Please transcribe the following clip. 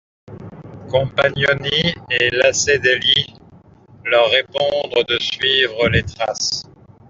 Compagnoni et Lacedelli leur répondent de suivre les traces.